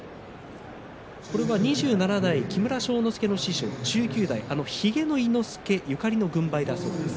これは２７代木村庄之助の師匠１９代ひげの伊之助にゆかりの軍配だそうです。